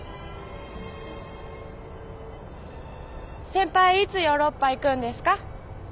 先輩いつヨーロッパ行くんですか？